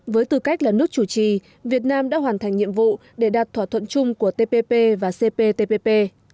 với tư cách là nước chủ trì việt nam đã hoàn thành nhiệm vụ để đạt thỏa thuận chung của tpp và cptpp